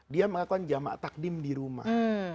dia melakukan jamaah takdim di rumah